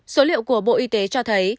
số liệu của bộ y tế cho thấy